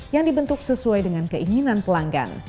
yang dibentuk sesuai dengan keinginan pelanggan